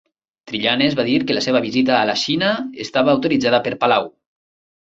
Trillanes va dir que la seva visita a la Xina estava autoritzada per Palau.